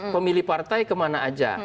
pemilih partai kemana aja